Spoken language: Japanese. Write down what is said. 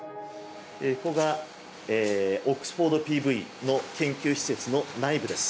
ここがオックスフォードＰＶの研究施設の内部です。